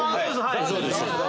はい。